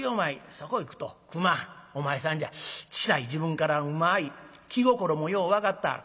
そこいくと熊お前さんじゃ小さい時分からうまい気心もよう分かってはる。